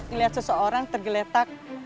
ngeliat seseorang tergeletak